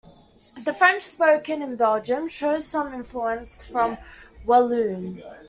The French spoken in Belgium shows some influence from Walloon.